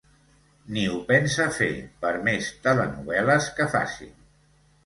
Ni ho pensa fer, per més telenovel·les que facin.